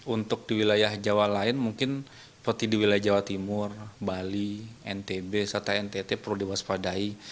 untuk di wilayah jawa lain mungkin seperti di wilayah jawa timur bali ntb serta ntt perlu diwaspadai